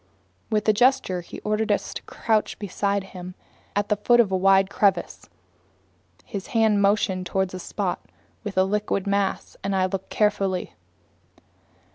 With a gesture he ordered us to crouch beside him at the foot of a wide crevice. His hand motioned toward a spot within the liquid mass, and I looked carefully.